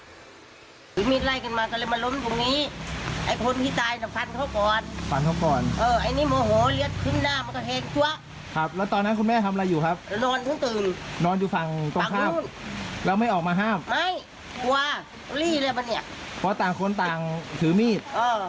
ถือมีดเออกลัวเพราะเลยแถวนี้ก็ปิดประตูหมด